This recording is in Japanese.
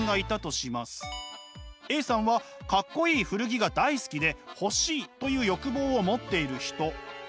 Ａさんはかっこいい古着が大好きで欲しいという欲望を持っている人。